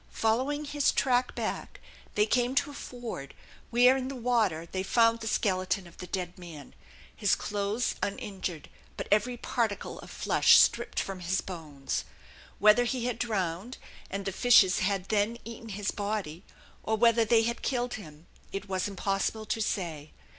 Following his track back they came to a ford, where in the water they found the skeleton of the dead man, his clothes uninjured but every particle of flesh stripped from his bones. Whether he had drowned, and the fishes had then eaten his body, or whether they had killed him it was impossible to say.